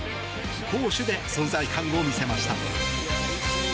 攻守で存在感を見せました。